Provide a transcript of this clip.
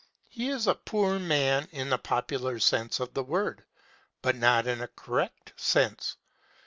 He is a "poor" man in the popular sense of the word, but not in a correct sense.